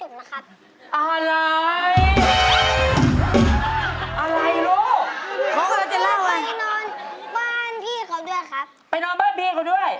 เห็นไปนอนบ้านพี่เค้าด้วยไปนอนบ้านพี่เค้าด้วย